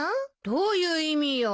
どういう意味よ。